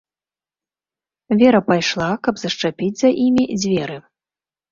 Вера пайшла, каб зашчапіць за імі дзверы.